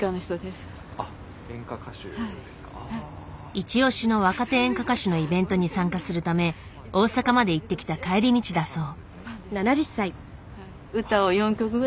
いち押しの若手演歌歌手のイベントに参加するため大阪まで行ってきた帰り道だそう。